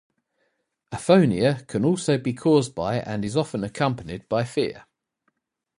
Aphonia can also be caused by and is often accompanied by fear.